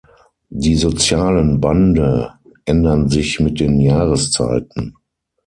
Die sozialen Bande ändern sich mit den Jahreszeiten.